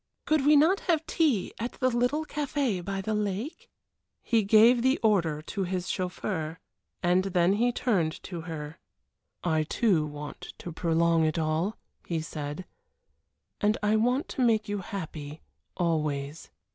Could we not have tea at the little café by the lake?" He gave the order to his chauffeur, and then he turned to her. "I, too, want to prolong it all," he said, "and I want to make you happy always."